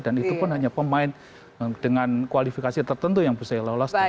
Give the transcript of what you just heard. dan itu pun hanya pemain dengan kualifikasi tertentu yang bisa lolos